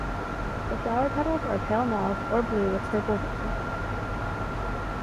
The flower petals are pale mauve or blue with purple veins.